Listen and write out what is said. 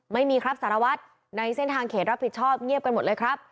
ไม่มีครับสารวัตรในเส้นทางเขตรับผิดชอบเงียบกันหมดเลยครับ